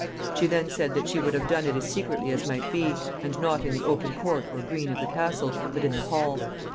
She then said, that she would have it done as secretly as might be, and not in the open court or green of the castle, but in the hall.